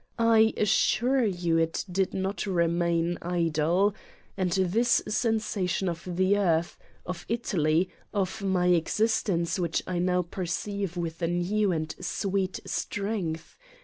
I as sure you it did not remain idle. And this sensa tion of the earth, of Italy, of My existence which I now perceive with a new and sweet strength!